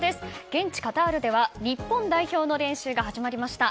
現地カタールでは日本代表の練習が始まりました。